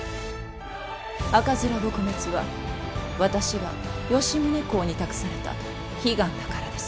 赤面撲滅は私が吉宗公に託された悲願だからです。